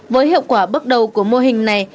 với hiệu quả bước đầu của mô hình này